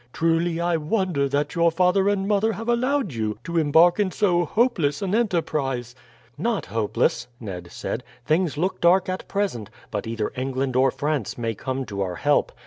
"Truly I wonder that your father and mother have allowed you to embark in so hopeless an enterprise." "Not hopeless," Ned said. "Things look dark at present, but either England or France may come to our help.